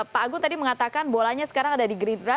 pak agung tadi mengatakan bolanya sekarang ada di gerindra